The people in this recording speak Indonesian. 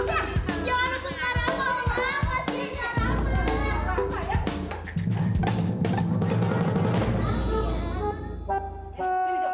sini ayo ngana menurutku aja